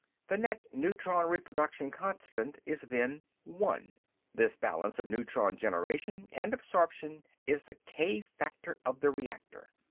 The net neutron reproduction constant is then 1. This balance of neutron generation and absorption is the k factor of the reactor.